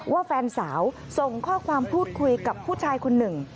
แฟนสาวส่งข้อความพูดคุยกับผู้ชายคนหนึ่ง